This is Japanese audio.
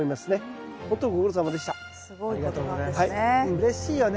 うれしいよね